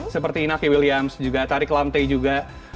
seperti inafi williams juga tarik lamte juga